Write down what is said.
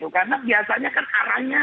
karena biasanya kan arahnya